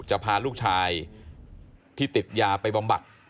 จะพาลูกชายที่ติดยาไปบำบัด